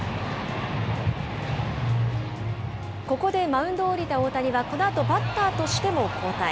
ここでマウンドを降りた大谷は、このあとバッターとしても交代。